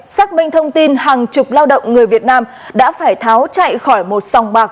xác minh thông tin hàng chục lao động người việt nam đã phải tháo chạy khỏi một sòng bạc